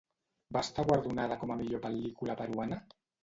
Va estar guardonada com a la Millor Pel·lícula Peruana?